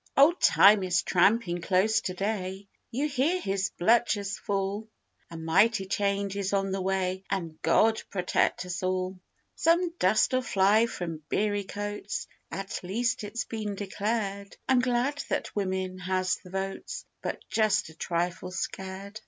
Old Time is tramping close to day you hear his bluchers fall, A mighty change is on the way, an' God protect us all; Some dust'll fly from beery coats at least it's been declared. I'm glad that wimin has the votes but just a trifle scared.